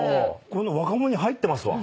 こういうの若者に入ってますわ。